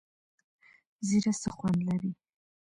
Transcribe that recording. زیره څه خوند لري؟